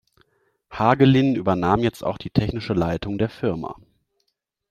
Hagelin übernahm jetzt auch die technische Leitung der Firma.